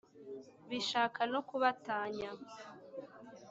bishaka no kubatanya